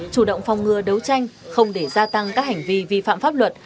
chủ động phòng ngừa đấu tranh không để gia tăng các hành vi vi phạm pháp luật